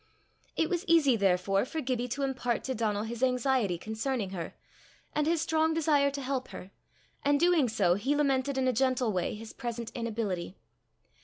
It was easy therefore for Gibbie to impart to Donal his anxiety concerning her, and his strong desire to help her, and doing so, he lamented in a gentle way his present inability.